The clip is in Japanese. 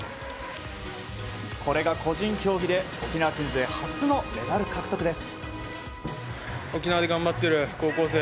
これが個人競技で沖縄県勢初のメダル獲得です。